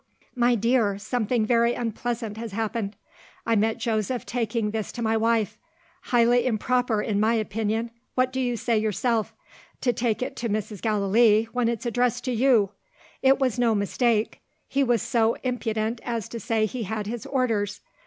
"My dear, something very unpleasant has happened. I met Joseph taking this to my wife. Highly improper, in my opinion, what do you say yourself? to take it to Mrs. Gallilee, when it's addressed to you. It was no mistake; he was so impudent as to say he had his orders.